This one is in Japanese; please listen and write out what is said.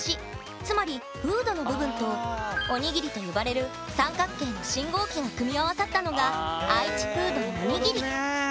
つまりフードの部分と「おにぎり」と呼ばれる三角形の信号機が組み合わさったのが「愛知フードのおにぎり」。